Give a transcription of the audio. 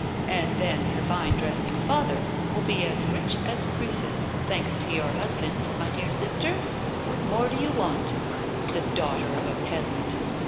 And then her vinedressing father will be as rich as Croesus, thanks to your husband, my dear sister. What more do you want? The daughter of a peasant!